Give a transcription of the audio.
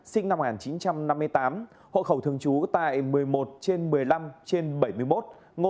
sinh năm một nghìn chín trăm năm mươi tám hộ khẩu thường trú tại một mươi một trên một mươi năm trên bảy mươi một